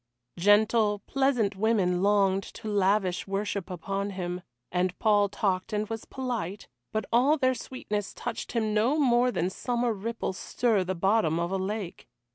Gentle, pleasant women longed to lavish worship upon him, and Paul talked and was polite, but all their sweetness touched him no more than summer ripples stir the bottom of a lake.